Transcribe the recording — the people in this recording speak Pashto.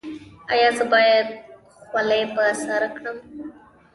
ایا زه باید خولۍ په سر کړم؟